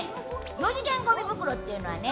四次元ゴミ袋というのはね